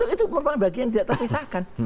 itu bagian tidak terpisahkan